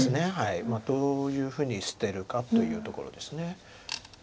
どういうふうに捨てるかというところです。